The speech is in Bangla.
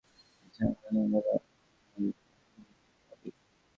তাছাড়া Muhammad ibn Amr ibn Alqama সমালোচিত রাবী।